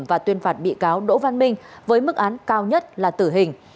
và tuyên phạt bị cáo đỗ văn minh với mức án cao nhất là tử hình